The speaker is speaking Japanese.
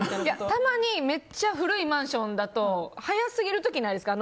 たまにめっちゃ古いマンションだと早すぎる時ないですか？